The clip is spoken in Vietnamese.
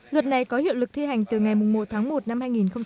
luật này có hiệu lực thi hành từ ngày một tháng một năm hai nghìn một mươi bảy